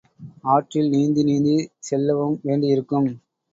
ஆற்றில் நீந்தி நீந்திச் செல்லவும் வேண்டியிருக்கும்.